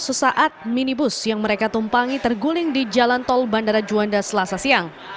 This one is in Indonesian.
sesaat minibus yang mereka tumpangi terguling di jalan tol bandara juanda selasa siang